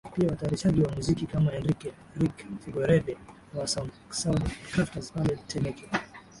Pia watayarishaji wa muziki kama Enrique Rick Figueredo wa Sound Crafters pale Temeke